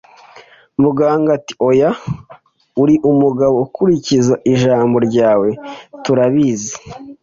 Muganga ati: “Oya.” “Uri umugabo ukurikiza ijambo ryawe, turabizi.”